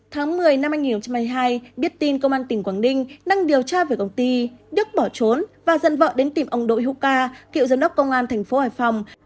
tháng một mươi năm hai nghìn hai mươi hai biết tin công an tỉnh quảng ninh đang điều tra về công ty đức bỏ trốn và dân vợ đến tìm ông đội hữu ca cựu giám đốc công an thành phố hải phòng